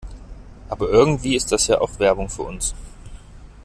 Aber irgendwie ist das ja auch Werbung für uns.